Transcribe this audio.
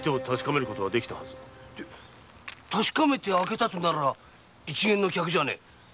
確かめて開けたなら一見の客じゃねえ。